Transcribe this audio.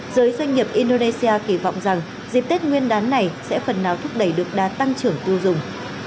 giới doanh nghiệp indonesia kỳ vọng rằng dịp tết nguyên đán này sẽ phần nào thúc đẩy được đa tăng trưởng tiêu dùng